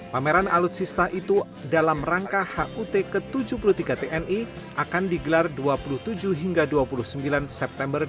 pameran alutsista itu dalam rangka hut ke tujuh puluh tiga tni akan digelar dua puluh tujuh hingga dua puluh sembilan september dua ribu dua puluh